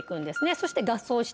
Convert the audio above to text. そして。